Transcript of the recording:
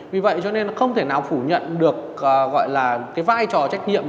vì vậy cho nên là không thể nào phủ nhận được gọi là cái vai trò trách nhiệm